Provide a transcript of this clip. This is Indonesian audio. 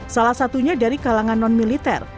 salah satunya dari kalangan non militer